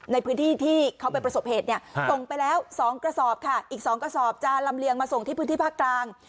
ในพื้นที่ที่เขาไปประสบเหตุเนี่ยส่งไปแล้ว๒กระสอบค่ะอีก๒กระสอบจะลำเลียงมาส่งที่พื้นที่ภาคกลาง